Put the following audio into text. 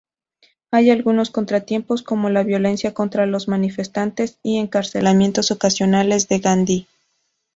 Hay algunos contratiempos, como la violencia contra los manifestantes y encarcelamientos ocasionales de Gandhi.